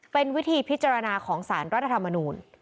เป็นวิธีพิจารณาของสารรัฐธรรมนูล